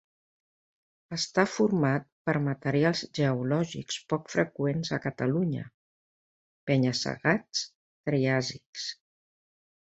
Està format per materials geològics poc freqüents a Catalunya: penya-segats triàsics.